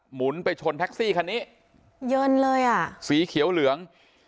หุนไปชนแท็กซี่คันนี้เยินเลยอ่ะสีเขียวเหลือง